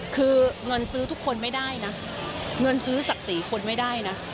คือเงินซื้อทุกคนไม่ได้นะเงินซื้อศักดิ์ศรีคนไม่ได้นะ